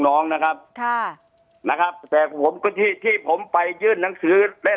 น้องนะครับค่ะนะครับแต่ผมก็ที่ที่ผมไปยื่นหนังสือและ